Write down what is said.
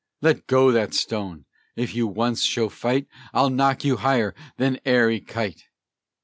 Let go that stone! If you once show fight, I'll knock you higher than ary kite.